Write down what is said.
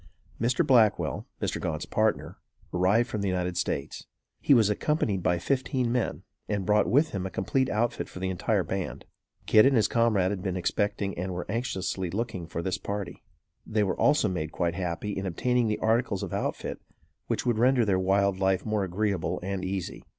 Mr. Blackwell, Mr. Gaunt's partner, arrived from the United States. He was accompanied by fifteen men, and brought with him a complete outfit for the entire band. Kit and his comrade had been expecting and were anxiously looking for this party. They were also made quite happy in obtaining the articles of outfit which would render their wild life more agreeable and easy.